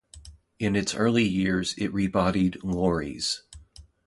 In its early years it rebodied lorries.